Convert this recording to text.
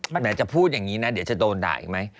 ไหนจะพูดอย่างนี้นะเดี๋ยวจะโดนด่าอีกไหม